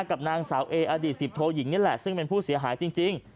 กับนางสาวเออดีตสิบโทยิงนี่แหละซึ่งเป็นผู้เสียหายจริง